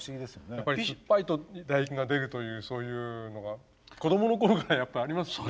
やっぱり酸っぱいと唾液が出るというそういうのが子どもの頃からやっぱありますよね。